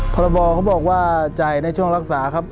พรบเขาบอกว่าจ่ายในช่วงรักษาครับ